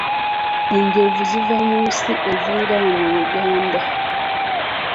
Enjovu ziva mu nsi eziriraanye Uganda.